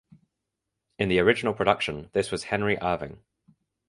In the original production this was Henry Irving.